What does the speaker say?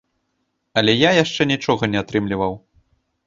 Але я яшчэ нічога не атрымліваў.